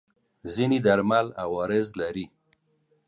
ځینې درمل عوارض لري.